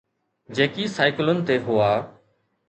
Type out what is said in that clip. جيڪي سائيڪلن تي هئا.